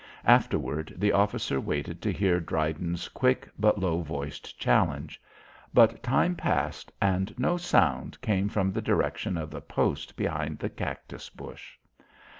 Afterward, the officer waited to hear Dryden's quick but low voiced challenge, but time passed and no sound came from the direction of the post behind the cactus bush.